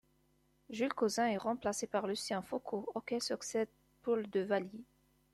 Jules Cousin est remplacé par Lucien Faucou auquel succède Paul Le Vayer.